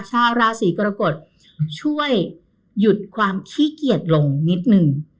ชาวราศีกรกฎช่วยหยุดความขี้เกียจลงนิดนึง